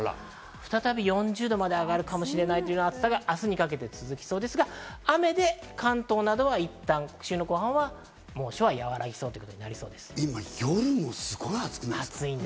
再び４０度まで上がるかもしれないという暑さが明日にかけて続きそうですが、雨で関東など、週の後半は暑さが和らぎそうです。